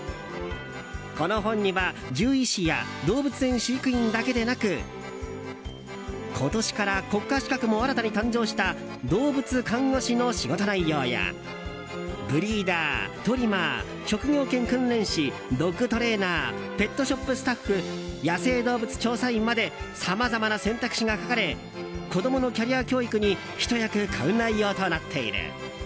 この本には獣医師や動物園飼育員だけでなく今年から国家資格も新たに誕生した動物看護師の仕事内容やブリーダー、トリマー職業犬訓練士、ドッグトレーナーペットショップスタッフ野生動物調査員までさまざまな選択肢が書かれ子供のキャリア教育にひと役買う内容となっている。